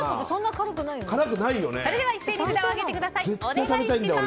それでは一斉に札を上げてください。